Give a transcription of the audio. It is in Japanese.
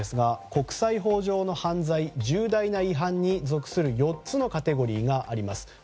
国際法上の犯罪、重大な違反に属する４つのカテゴリーがあります。